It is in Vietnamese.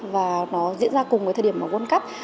và nó diễn ra cùng với thời điểm quân cấp